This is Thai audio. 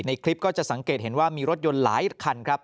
คลิปก็จะสังเกตเห็นว่ามีรถยนต์หลายคันครับ